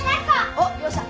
おっよっしゃ！